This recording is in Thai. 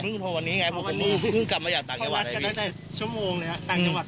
ผมเพิ่งโทรวันนี้ไงผมเพิ่งกลับมาจากต่างจังหวัด